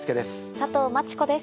佐藤真知子です。